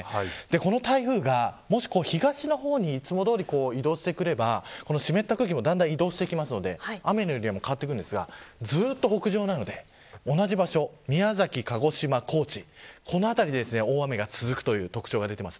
この台風が、もし東の方にいつもどおり移動してくれれば湿った空気もだんだん移動してきますので雨の量も変わってきますがずっと北上なので同じ場所、宮崎、鹿児島、高知この辺りで大雨が続くという特徴です。